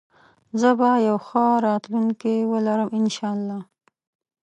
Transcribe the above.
زه به يو ښه راتلونکي ولرم انشاالله